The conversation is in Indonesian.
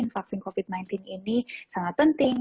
vaksin covid sembilan belas ini sangat penting